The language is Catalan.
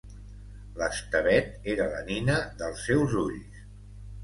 L'Estevet era la nina dels seus ulls.